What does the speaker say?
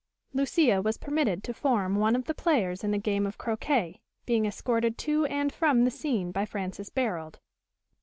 Lucia was permitted to form one of the players in the game of croquet, being escorted to and from the scene by Francis Barold.